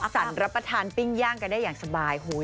สรรรับประทานปิ้งย่างกันได้อย่างสบาย